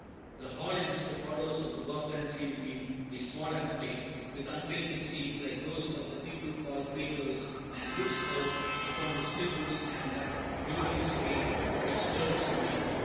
The hall in which the followers of the Gothland seer meet is small and plain, with unpainted seats, like those of "the people called Quakers," and looks out upon the still woods and that "willowy stream which turns a mill."